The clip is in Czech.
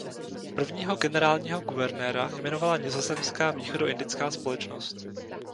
Prvního generálního guvernéra jmenovala nizozemská Východoindická společnost.